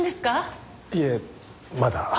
いえまだ。